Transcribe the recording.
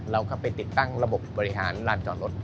เราก็ไปติดตั้งระบบบบริหารลานจอดรถ